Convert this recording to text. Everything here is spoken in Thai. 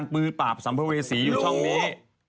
มือปราบสัมภเวษีอยู่ช่องนี้